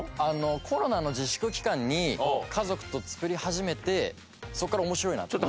コロナの自粛期間に家族と作り始めてそこから面白いなと。